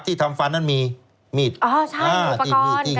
ที่ทำฟันนั้นมีมีดอ้าวใช่มีอุปกรณ์